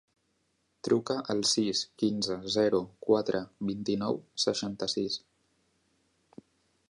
Truca al sis, quinze, zero, quatre, vint-i-nou, seixanta-sis.